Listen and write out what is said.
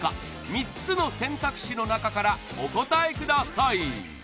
三つの選択肢の中からお答えください